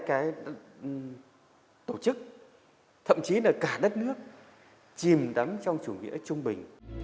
cái tổ chức thậm chí là cả đất nước chìm đắm trong chủ nghĩa trung bình